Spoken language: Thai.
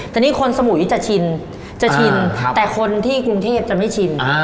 แต่นี่คนสมุยจะชินจะชินแต่คนที่กรุงเทพจะไม่ชิน